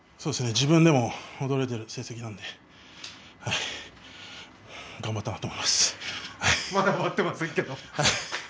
自分でも驚いている成績なのでまだ終わっていませんけど。